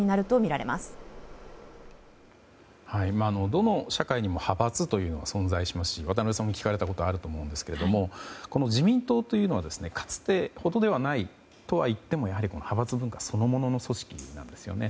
どの社会にも派閥というのは存在しますし渡辺さんも聞かれたことがあると思うんですけれどもこの自民党というのはかつてほどではないとはいってもやはり派閥文化そのものの組織なんですよね。